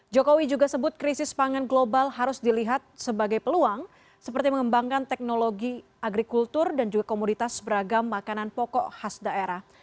jokowi juga sebut krisis pangan global harus dilihat sebagai peluang seperti mengembangkan teknologi agrikultur dan juga komoditas beragam makanan pokok khas daerah